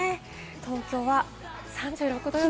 東京は３６度予想。